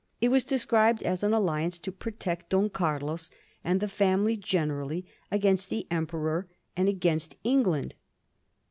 It was described as an alliance to protect Don Carlos, and the family generally, against the Emperor and against England.